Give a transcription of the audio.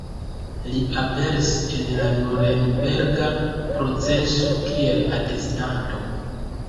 Li aperis en la Nurenberga proceso kiel atestanto.